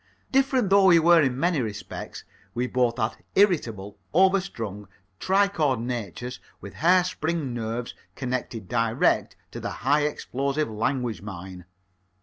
Different though we were in many respects, we both had irritable, overstrung, tri chord natures, with hair spring nerves connected direct to the high explosive language mine.